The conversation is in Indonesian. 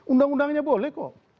undang undangnya boleh kok